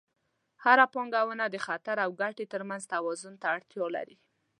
هره پانګونه د خطر او ګټې ترمنځ توازن ته اړتیا لري.